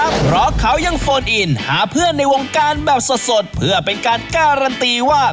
เพราะเขายังโฟนอินหาเพื่อนในวงการแบบสดเพื่อเป็นการการันตีว่า